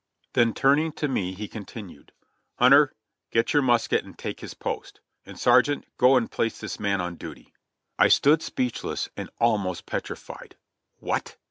Then turning to me he continued, "Hunter, get your musket and take his post ; and. Sergeant, go and place this man on duty." I stood speechless and almost petrified. What!